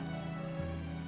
tidak ada bangunan satu